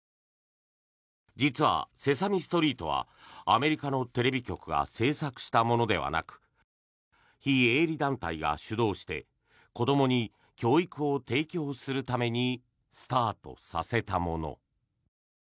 実は、「セサミストリート」はアメリカのテレビ局が制作したものではなく非営利団体が主導して子どもに教育を提供するためにスタートさせたもの。